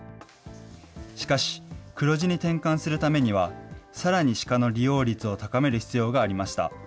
しかし、黒字に転換するためには、さらに鹿の利用率を高める必要がありました。